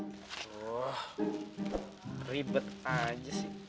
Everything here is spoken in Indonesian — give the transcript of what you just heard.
woh ribet aja sih